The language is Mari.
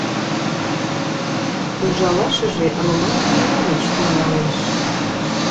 — Ужалашыже Роман Ионыч тӱҥалеш.